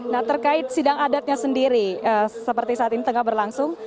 nah terkait sidang adatnya sendiri seperti saat ini tengah berlangsung